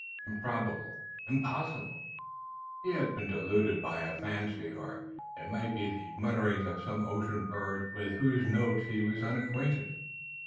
Improbable, impossible! He had been deluded by a fancy; or it might be the mutterings of some ocean bird with whose note he was unacquainted.